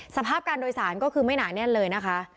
สภาพการโดยสารก็คือไม่หนาแน่นเลยนะคะ